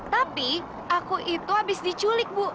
tapi aku itu habis diculik bu